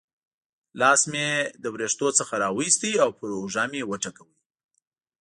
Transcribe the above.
لاس مې یې له وریښتو څخه را وایست او پر اوږه مې وټکاوه.